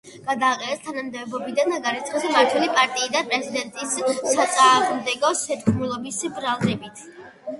გადააყენეს თანამდებობიდან და გარიცხეს მმართველი პარტიიდან პრეზიდენტის საწინააღმდეგო შეთქმულების ბრალდებით.